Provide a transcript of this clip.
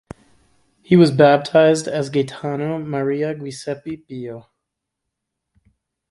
He was baptized as Gaetano Maria Giuseppe Pio.